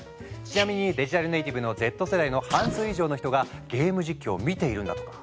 ちなみにデジタルネーティブの「Ｚ世代」の半数以上の人がゲーム実況を見ているんだとか。